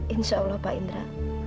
insya allah pak indra